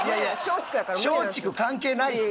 松竹関係ないって。